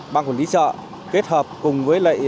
băng quần lý trợ kết hợp cùng với lại